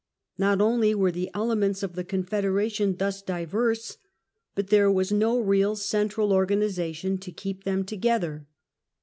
Not only were the elements of the Confederation thus diverse, but there was no real central organisation to keep them together.